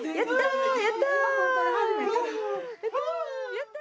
やった！